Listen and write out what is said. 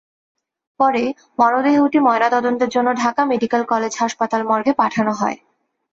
পরে মরদেহটি ময়নাতদন্তের জন্য ঢাকা মেডিকেল কলেজ হাসপাতাল মর্গে পাঠানো হয়।